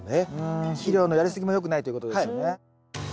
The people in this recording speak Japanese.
肥料のやりすぎも良くないということですよね。